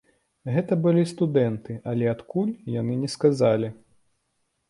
Гэта былі студэнты, але адкуль, яны не сказалі.